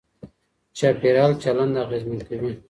چاپېريال چلند اغېزمن کوي.